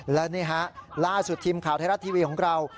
และนี่ฮะล่าสุดทีมข่าวไทยรัฐทีวีของเรา